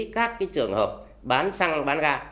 các cái trường hợp bán xăng bán gas